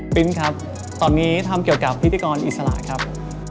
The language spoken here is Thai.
ครับตอนนี้ทำเกี่ยวกับพิธีกรอิสระครับ